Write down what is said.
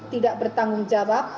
tidak bertanggung jawab